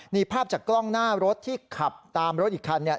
นี่ภาพจากกล้องหน้ารถที่ขับตามรถอีกคันเนี่ย